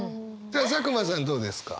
佐久間さんどうですか？